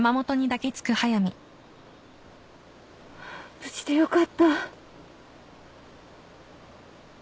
無事でよかった。